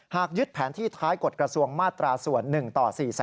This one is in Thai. ยึดแผนที่ท้ายกฎกระทรวงมาตราส่วน๑ต่อ๔๓